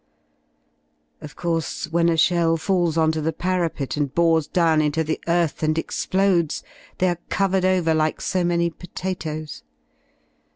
Of course, when a shell falls on to the parapet and bores down into the earth and explodes, they are covered over like so many potatoes.